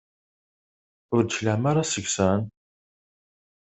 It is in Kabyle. Ur d-tecliɛem ara seg-sen?